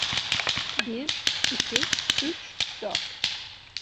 Bir, iki, üç, dört.